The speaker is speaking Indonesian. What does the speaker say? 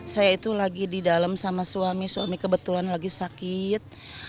saya itu lagi di dalam sama suami suami kebetulan lagi sakit